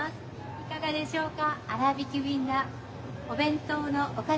いかがでしょうか。